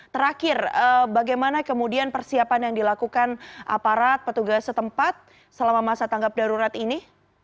terakhir bagaimana kemudian persiapan yang dilakukan aparat petugas setempat selama masa tanggap darurat ini